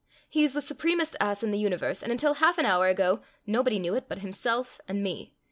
He is the supremest ass in the universe; and until half an hour ago nobody knew it but himself and me.